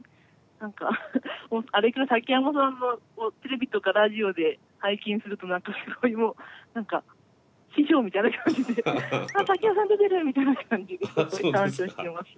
何かあれから竹山さんをテレビとかラジオで拝見すると何かすごいもう何か師匠みたいな感じで「あ竹山さん出てる！」みたいな感じでちょっと鑑賞してます。